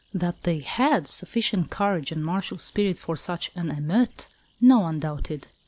That they had sufficient courage and martial spirit for such an émeute, no one doubted.